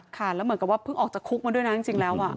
ค่ะแล้วเหมือนกับว่าเพิ่งออกจากคุกมาด้วยนะจริงแล้ว